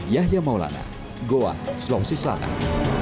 yahya maulana goa sulawesi selatan